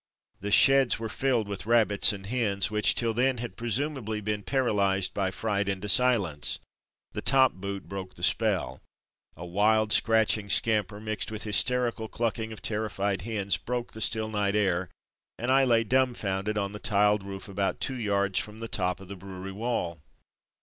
The sheds were filled with rabbits and hens, which, till then, had presumably been para lysed by fright into silence. The top boot broke the spell. A wild, scratching scamper, mixed with hysterical clucking of terrified hens, broke the still night air, and I lay dumbfounded on the tiled roof about two yards from the top of the brewery wall.